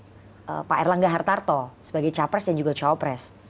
anda berpasangan dengan pak erlangga hartarto sebagai capres dan juga cowopres